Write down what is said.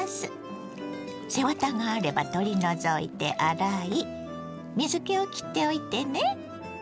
背ワタがあれば取り除いて洗い水けをきっておいてね。